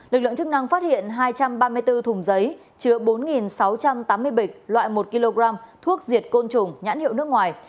lực lượng chức năng phát hiện hai trăm ba mươi bốn thùng giấy chứa bốn sáu trăm tám mươi bịch loại một kg thuốc diệt côn trùng nhãn hiệu nước ngoài